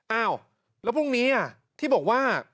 อ้าวแล้วพรุ่งนี้ที่บอกว่า